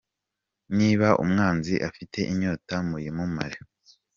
Niba umwanzi afite inyota muyimumare.